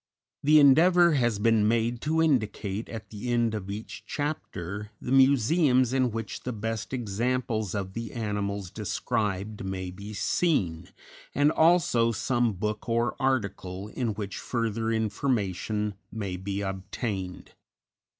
_ _The endeavor has been made to indicate, at the end of each chapter, the museums in which the best examples of the animals described may be seen, and also some book or article in which further information may be obtained.